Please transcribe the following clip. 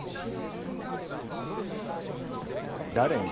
「誰に」？